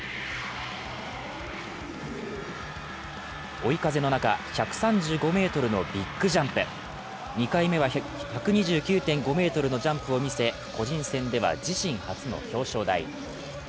追い風の中、１３５ｍのビッグジャンプ２回目は１２９．５ｍのジャンプを見せ個人戦では自身初の表彰台。